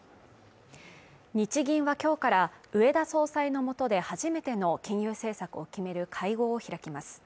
日銀は今日から植田総裁のもとで初めての金融政策を決める会合を開きます。